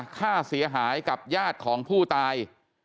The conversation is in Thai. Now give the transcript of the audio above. ค่าเสียหายกับญาติของผู้ตาย